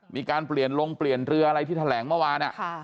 มีการเปลี่ยนลงเปลี่ยนเรืออะไรที่แถลงเมื่อวาน